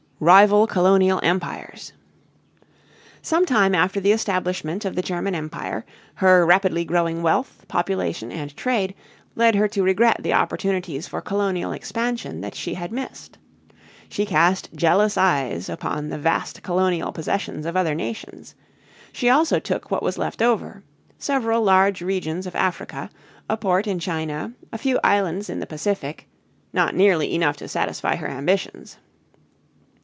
RIVAL COLONIAL EMPIRES. Some time after the establishment of the German Empire, her rapidly growing wealth, population, and trade led her to regret the opportunities for colonial expansion that she had missed. She cast jealous eyes upon the vast colonial possessions of other nations. She also took what was left over, several large regions of Africa, a port in China, a few islands in the Pacific, not nearly enough to satisfy her ambitions.